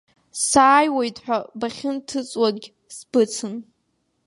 Сааиуеит ҳәа бахьынҭыҵуагь сбыцын.